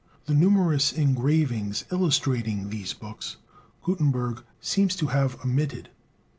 The numerous engravings illustrating these books, Gutenberg seems to have omitted.